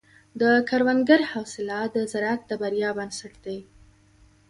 د کروندګر حوصله د زراعت د بریا بنسټ دی.